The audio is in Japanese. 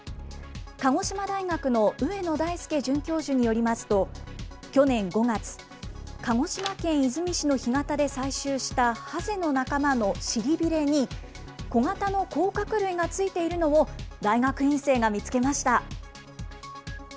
鹿児島大学の上野大輔准教授によりますと、去年５月、鹿児島県出水市の干潟で採集したハゼの仲間の尻びれに、小型の甲殻類がついているのを大学院生が見つけました。